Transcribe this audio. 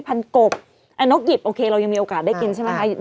กบนกหยิบโอเคเรายังมีโอกาสได้กินใช่ไหมคะ